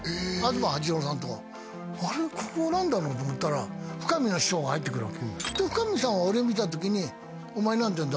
ここは何だろう？と思ったら深見の師匠が入ってくるわけよで深見さんは俺を見た時に「お前何ていうんだ？」